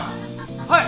はい。